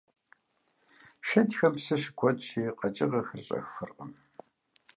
Шэдхэм псыр щыкуэдщи, къэкӀыгъэхэр щӀэх фыркъым.